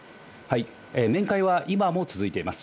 面会は今も続いています。